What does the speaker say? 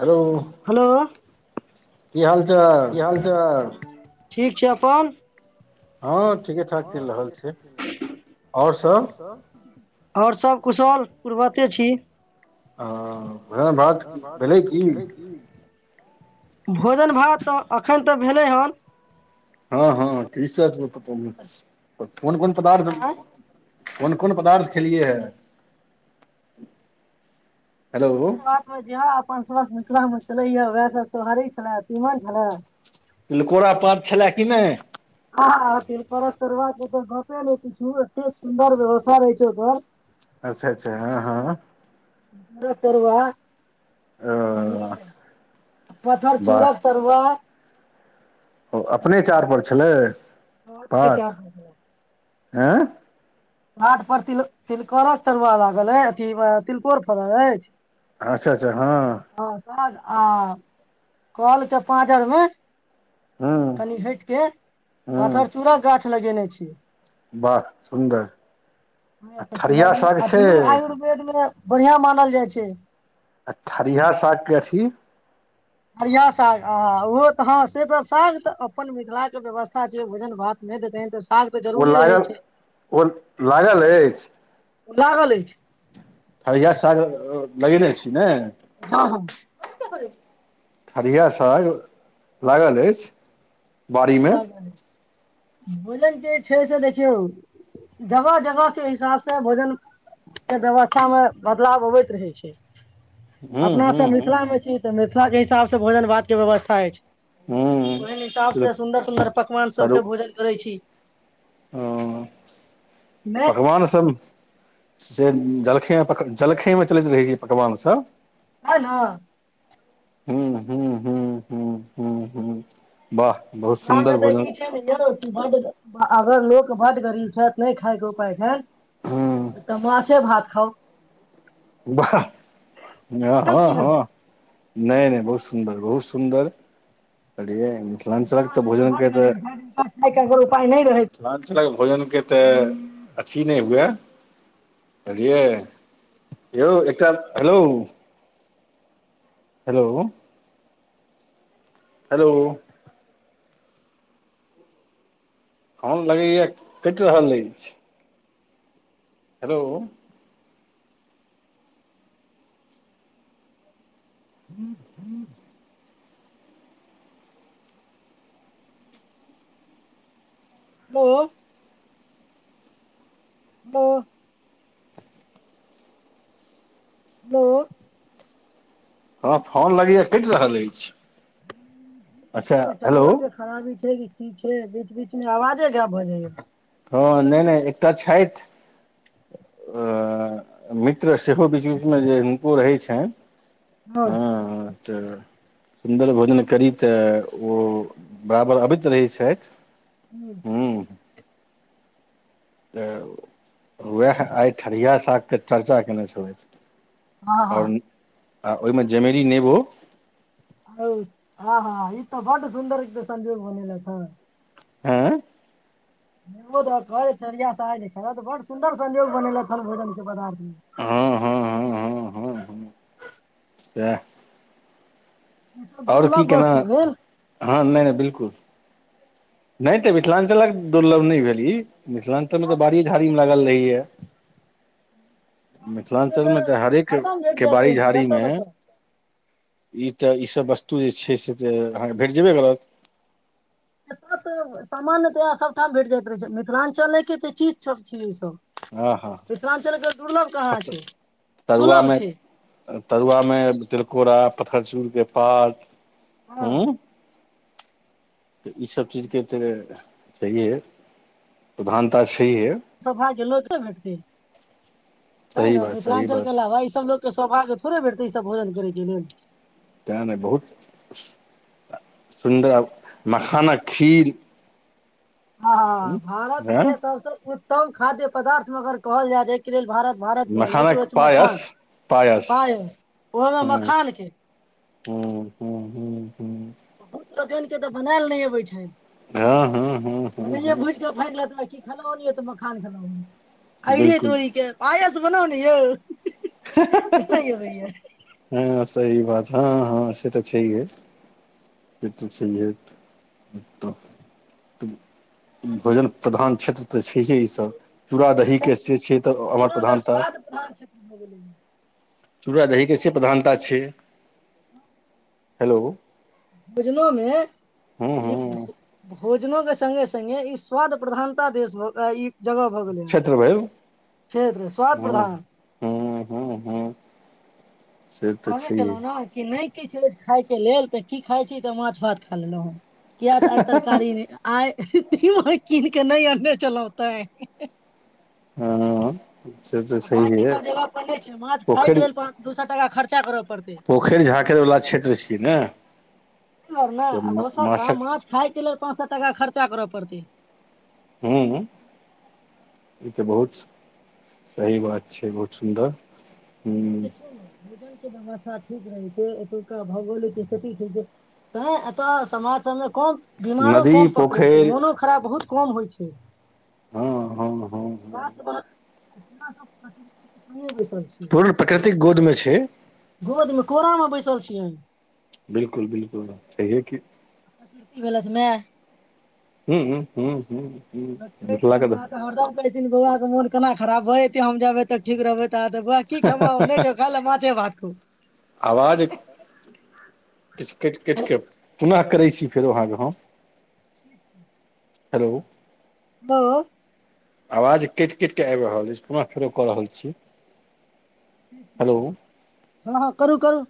hello hello की हाल चाल ठीक छै अपन हँ ठी हँ ठीके ठाक छै आओर सब आओर सभ कुशल पूर्वक छी ह भ बात भेलै की भोजन भात तऽ एखन तऽ भेलै हन हँ हँ कि सब पैकेलियी कोन कोन पदार्थ आँय कोन कोन पदार्थ खेलियै हे हेलो आात जे हा आपन स्वार्थ में क्या में छलै हं वएह सब सोहारी छलय तीमन छलय तिलकोड़ा पात छले कि नै खा हथिन परस तरुआ के त गपे नै पुछु एतेक सुन्दर व्यवस्था रहै छ ओत अच्छा अच्छा हँ हँ र तरुआ अ पथरचूड़क तरुआ ओ अपने चाड़ पर छलै [unintelligible] एं घाट पर तिल तिलकोरक तरुआ लागल अ अथी तिलकोर फड़ल अछि अच्छा अच्छा हँ कह आ कल के पाँजर में हँ कनि हैट केऽ पाथरचूड़ा गाछ लगेने छियै बाह सुन्दर आ ह तऽ ठरिया कहलियै साग आ छै दुनू आयुर्वेद में बढ़िआँ मानल जाइ छै आ ठरिहा साग के अथी ठरिया साग आ ओहो तऽ हँ से सभ साग तऽ अपन मिथिला के व्यवस्था छै भोजन भात नहि त तेहैन तऽ साग तऽ ओ जरूरी रहै लागल छै ओ लागल एछि लागल अछि ठरिया साग लगेने छी ने हँ हँ ठढ़िया साग लागल अछि बाड़ीमे ल बोलै जे छै से देखियौ जगह जगह के हिसाब से भोजन के व्यवस्था मे बदलाव अबैत रहै छै हूँ अपना हूँ सभ हूँ मिथिला में छी तऽ मि मिथिला के हिसाब स भोजन भात के व्यवस्था अछि हूँ ओहन हिसाब से सुंन्दर सुन्दर पकवान सबके भोजन करै छी हं नहि पकवान सब से जलखै पक जलखै में चलैत रहै छै पकवान सभ हंय ने हूं हूं हूं हूं हूं हूं वाह बहुत मिथिला मे सुन्दर तऽ भोजन ई छै ने यौ बड अगर लोक बड गरीब छैथ नहि खायके उपाय छैथ हूँ त माछे भात खाउ बाह हँ है हँ कि नहि हँ नैय नैय बहुत सुन्दर बहुत सुन्दर यै मिथिलांचलक मिथिला तऽ मे जे भोजन बड के तऽ गरीब छथि हिनका खायके अगर उपाय नहि रहै मिथिलांचलक भोजन के तऽ अथी नैय हुए भलियै यौ एकटा हेलौ हेलौ हेलौ फोन लगैए कटि रहल अछि हेलौ [inaudible] पो पो पो हां फोन लगै य कैट रहल अछि अच्छा पता नैय हेलो टावर के खराबी छैेय इनछै बीच बीचमे आवाजे गैंब भऽ जाय ये हँ नैय नैय एकटा छैथ अऽ मित्र सेहो बीच बीचमे जे हिुनको रहै छैन हँ तऽ सुन्दर भोजन करी तऽ ओ बराबर अबैत रहै छैथ [inaudible] तऽ उएह आइ ठरिया सागके चर्चा कैनै छलैथ हँ हँ आ ओइमे जमेरी नेबो हौव हं हं इ तऽ बड सुन्दर इ तऽ संजोग बनैलैथ हँ हँ नेमो द कऽ ढरिया साग कऽ त बड़ सुन्दर संजोग बनेलक हन भोजन क पदार्थ म हँ हँ हं हं हँ ह ह सेह ई त दुर्लभ वस्तु भेल हँ नैय नैय बिल्कुल नैय तऽ मिथिलांचलक दुर्लभ नैय भेल ई मिथिलांचल मे तऽ बाड़िए झाड़ी मे लागल रहैया मिथिलांचल मे तऽ हरेक हरदम भेट के जाइत बाड़ी रहै छै जतऽ झाड़ीमे ततऽ ई तऽ इसभ वस्तु जे छै से जे अहाँकेँ भेट जेबे करत एय तऽ सामान्य तऽ सभठाम भेट जाइत रहै छै मिथिलांचले के तऽ चीज सब छिय इ सब हँ मिथिलांचल के दुर्लभ कहाँ छैय तरुआ मे तरुआ मे तिलकोरा पथरचूर के पात हँ तऽ ईसभ चीजके तऽ छैहे प्रधानता छै सब भाय के लोके भेटतै सही तैयो बात सही मिथिलांचल के बात अलावा ईसभ लोक सौभाग्य थोड़े भेटतै ई सब भोजन करै के लेल तैं नैय बहुत सुन्दर मखानक खीर हं हं भारत के हँ सबसे उत्तम खाद्य पदार्थ म अगर कहल जाय जा एहिके लेल भारत भारत ओल एच ओ मखानक एच पायस मखान पायस पाय ओहोमे मखानके हू हू बुचोदेन के तऽ बनैल नहि अबै छैय हँ हँ हँ ओनाहिये हँ भूज कऽ फाइकलतै की खेलौ हन तऽ मखान खेलो बिलकुल हायरेतोरी के पायस बनाउ न यौ हे हे नहि अबैये हेे हे हाँ सही बात हँ हँ से त छहिये से तऽ छै तऽ त भोजन प्रधान क्षेत्र तऽ छइहे ईसभ चूड़ा दहीके भोजन से छै त औभर भोजनोमे प्रधानता स्वाद प्रधान क्षेत्र भऽ गेलै चूड़ा दही के से प्रधानता छै [inaudible] हेलो भोजनो मे हँ ई हँ भोजनो के संगे सगे ई स्वाद प्रधानता देश भ ई छेत्र भैल छेत्र स्वाद प्रधान हँ हँ से तऽ कहे छैहे केलहुँ ने कि नहि किछु अछि खायके लेल तऽ की खाइ छी तऽ माछ भात खा लेलहुँ किया त आइ तरकारी नहि आइ आहाँ कीन के नहि आनने छलहू तै हँ से तऽ आ बाकी छैहे सब जगह पर नइ छै माछ खााय पोखरि के लेल त दू सै टाका खर्चा करब पोखरि झाँखरिवला क्षेत्र छियै न र ने दोसर ठाम माछ खाायके लेल पाँच सए टाका खर्चा कर पड़तै हूँ ई त बहुत सही बात छै बहुत सुन्दर नहि हूँ देखियौ ने भोजन व्यवस्था ठीक रहै छै एतुका भौगोलिक स्थिति ठीक छै ते एतय समाज सबमे कम बिमारो नदी कम पकड़ै पोखरि छै मोनो खराब बहुत कम होइ छै हँ हँ हँ [unintelligible] पूर्ण प्राकृतिक गोदमे छै भोजमे कोरामे बैसल छियै बिलकुल बिलकुल छहिये की इ भेलैत माँ हू हू हू हू सकल केहन भेय जेतय हरदम कहथि बौआ के मोन केना खराब भए जेतै हम जेबै तऽ ठीक रहबै त तऽ बुआ की खेम नहि खाइल माछे भात आवाज खै किछु काटि काटि क पुनः करै छी फेरो अहाँ के हम [inaudible] हेलो हेलौ आवाज कटि कटि कऽ आबि रहल अछि पुनः फेरो क रहल छी हेलो हँ हँ करू करू